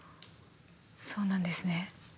そうなんですね。